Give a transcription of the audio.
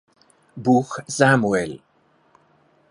Buch Samuel.